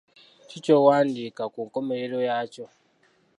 Ki ky'owandiika ku nkomerero yakyo?